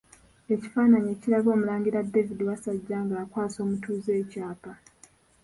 Ekifaananyi ekiraga Omulangira David Wasajja nga akwasa omutuuze ekyapa.